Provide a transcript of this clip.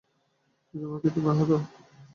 ইনুমাকি, তুমি আহত।